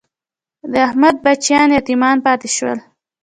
د احمد بچیان یتیمان پاتې شول.